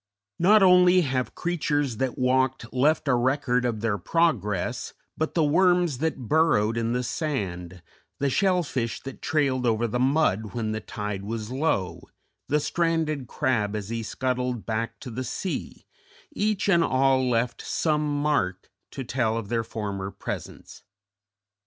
Not only have creatures that walked left a record of their progress, but the worms that burrowed in the sand, the shell fish that trailed over the mud when the tide was low, the stranded crab as he scuttled back to the sea each and all left some mark to tell of their former presence.